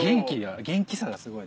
元気さがすごい。